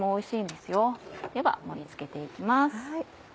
では盛り付けて行きます。